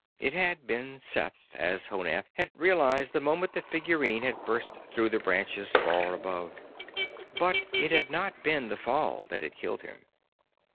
It had been Seth, as Honath had realized the moment the figurine had burst through the branches far above. But it had not been the fall that had killed him.